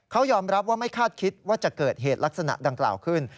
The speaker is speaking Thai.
เขายอมรับว่าไม่คาดคิดว่าจะเกิดเหตุลักษณะดังกล่าวขึ้น